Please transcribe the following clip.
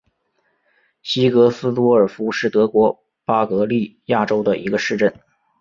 西格斯多尔夫是德国巴伐利亚州的一个市镇。